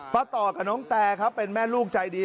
ต่อกับน้องแตครับเป็นแม่ลูกใจดี